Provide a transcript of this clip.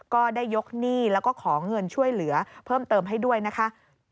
ก็ได้ยกหนี้แล้วก็ขอเงินช่วยเหลือเพิ่มเติมให้ด้วยนะคะ